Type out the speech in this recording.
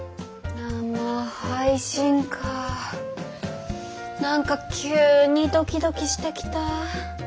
生配信か何か急にドキドキしてきた。